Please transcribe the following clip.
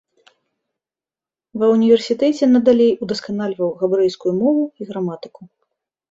Ва ўніверсітэце надалей удасканальваў габрэйскую мову і граматыку.